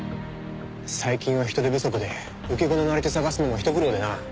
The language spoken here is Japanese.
最近は人手不足で受け子のなり手探すのもひと苦労でな。